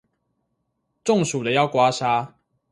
中暑了要刮痧